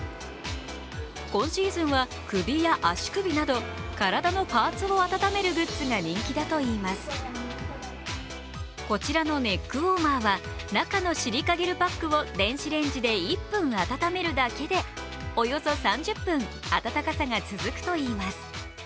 今シーズンは首や足首など体のパーツを温めるグッズが人気だといいますこちらのネックウオーマーは中のシリカゲルパックを電子レンジで１分温めるだけでおよそ３０分温かさが続くといいます。